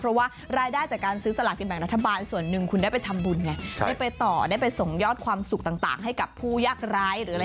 เพราะว่ารายได้จากการซื้อสลากินแบ่งรัฐบาลส่วนหนึ่งคุณได้ไปทำบุญไงได้ไปต่อได้ไปส่งยอดความสุขต่างให้กับผู้ยากร้ายหรืออะไร